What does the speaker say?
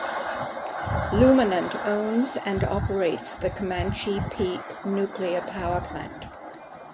Luminant owns and operates the Comanche Peak Nuclear Power Plant.